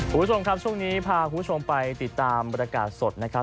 คุณผู้ชมครับช่วงนี้พาคุณผู้ชมไปติดตามบรรยากาศสดนะครับ